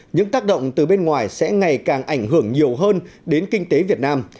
những tác động từ bên ngoài sẽ ngày càng ảnh hưởng nhiều hơn đến kinh tế việt nam